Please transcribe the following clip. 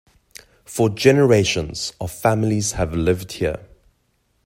For generations, our families have lived here.